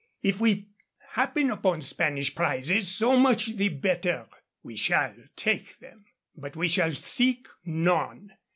If we happen upon Spanish prizes, so much the better. We shall take them. But we shall seek none.